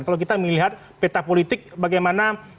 kalau kita melihat peta politik bagaimana